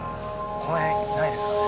この辺いないですかね。